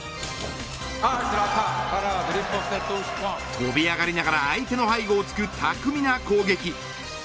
飛び上がりながら相手の背後を突く巧みな攻撃。